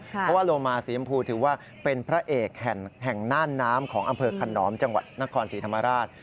เพราะว่าโลมาสีชมพูถือว่าเป็นพระเอกแห่งน่านน้ำของอำเภอขนอมจังหวัดนครศรีธรรมราช